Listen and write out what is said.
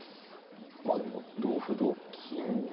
まあでも同歩同金。